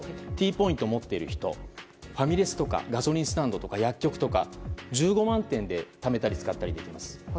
Ｔポイントを持っている人ファミレスとかガソリンスタンドとか薬局とか１５万店でためたり使ったりできます。